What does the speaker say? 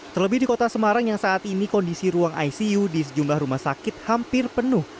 terlebih di kota semarang yang saat ini kondisi ruang icu di sejumlah rumah sakit hampir penuh